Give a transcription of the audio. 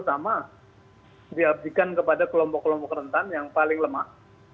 sama diabdikan kepada kelompok kelompok rentan yang paling lemah